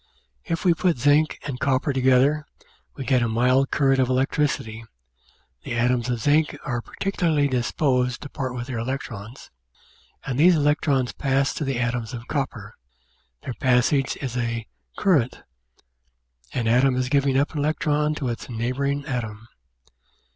If we put zinc and copper together we get a mild current of elec tricity; the atoms of zinc are particularly disposed to part with their electrons, and these electrons pass to the atoms of copper; their passage is a "current" an atom is giving up an electron to its neighbouring atom.